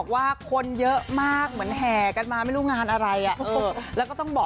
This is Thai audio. เพราะฉะนั้นก็ถือเป็นเรื่องน่ายินดีนะครับ